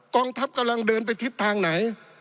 กองทัพกำลังเดินไปทิศทางไหน